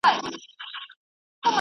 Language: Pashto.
او له خپل یوازیتوبه سره ژاړې